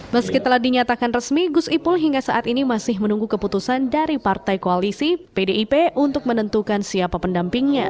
meski telah dinyatakan resmi gus ipul hingga saat ini masih menunggu keputusan dari partai koalisi pdip untuk menentukan siapa pendampingnya